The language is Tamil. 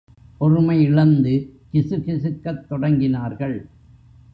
பொறுமை இழந்து, கிசுகிசுக்கத் தொடங்கினார்கள்.